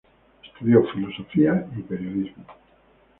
Estudió filosofía y periodismo.